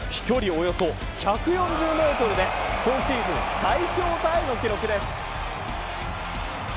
およそ１４０メートルで今シーズン最長タイの記録です。